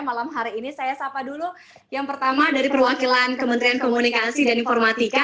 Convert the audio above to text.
malam hari ini saya sapa dulu yang pertama dari perwakilan kementerian komunikasi dan informatika